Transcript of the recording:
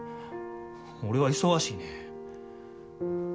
俺は忙しいねん。